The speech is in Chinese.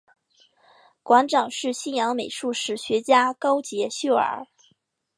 馆长是西洋美术史学家高阶秀尔。